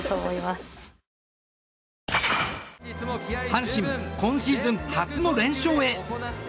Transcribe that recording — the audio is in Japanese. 阪神、今シーズン初の連勝へ。